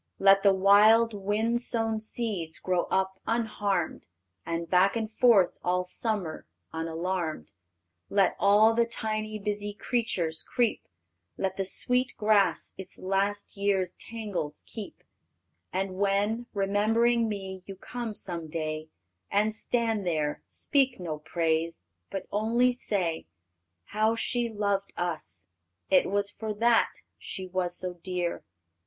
Let the wild wind sown seeds grow up unharmed, And back and forth all summer, unalarmed, Let all the tiny, busy creatures creep; Let the sweet grass its last year's tangles keep; And when, remembering me, you come some day And stand there, speak no praise, but only say, 'How she loved us! It was for that she was so dear.'